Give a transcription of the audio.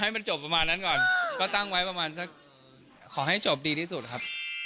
ให้มันจบประมาณนั้นก่อนก็ตั้งไว้ประมาณสักขอให้จบดีที่สุดครับ